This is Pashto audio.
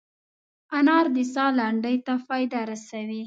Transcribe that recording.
انار د ساه لنډۍ ته فایده رسوي.